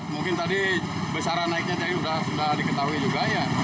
mungkin tadi besaran naiknya jadi sudah diketahui juga ya